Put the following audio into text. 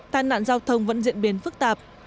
tai nạn giao thông vẫn diễn biến phức tạp